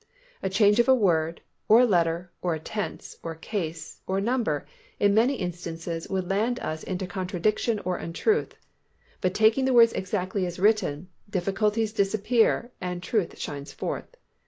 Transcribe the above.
A change of a word, or letter, or a tense, or case, or number, in many instances would land us into contradiction or untruth, but taking the words exactly as written, difficulties disappear and truth shines forth.